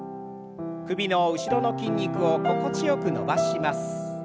首の後ろの筋肉を心地よく伸ばします。